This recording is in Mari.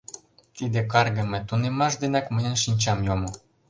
— Тиде каргыме тунеммаш денак мыйын шинчам йомо.